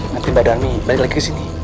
nanti mbak darmi balik lagi ke sini